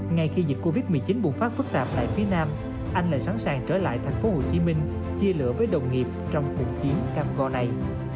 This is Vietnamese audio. ngay khi dịch covid một mươi chín bùng phát phức tạp lại phía nam anh là sẵn sàng trở lại thành phố hồ chí minh chia lửa với đồng nghiệp trong cuộc chiến cam go này